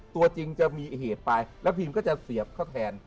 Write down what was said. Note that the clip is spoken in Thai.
ตัวจริงจะมีเหตุไปแล้วพิมก็จะเสียบเขาแทน